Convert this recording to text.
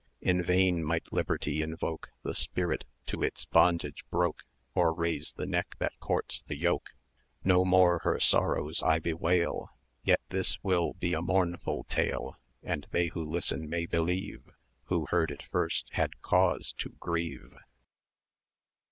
160 In vain might Liberty invoke The spirit to its bondage broke Or raise the neck that courts the yoke: No more her sorrows I bewail, Yet this will be a mournful tale, And they who listen may believe, Who heard it first had cause to grieve.